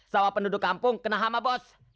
sama penduduk kampung kena hama bos